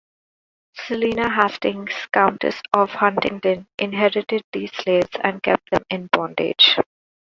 Selina Hastings, Countess of Huntingdon inherited these slaves and kept them in bondage.